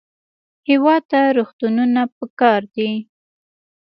هېواد ته روغتونونه پکار دي